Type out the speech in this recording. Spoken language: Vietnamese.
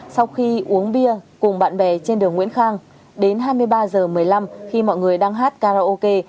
sau khi uống bia cùng bạn bè trên đường nguyễn khang đến hai mươi ba h một mươi năm khi mọi người đang hát karaoke